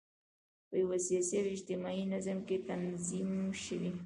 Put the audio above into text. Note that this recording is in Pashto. په یوه سیاسي او اجتماعي نظام کې تنظیم شوي.